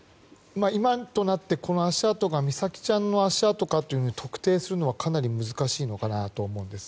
今となってこの足跡が美咲ちゃんの足跡か特定するのはかなり難しいのかなと思うんです。